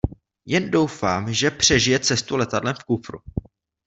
Jen doufám, že přežije cestu letadlem v kufru.